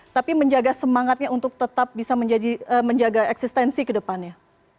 tapi menjaga semangatnya untuk tetap bisa menjadi menjaga eksistensi kedepannya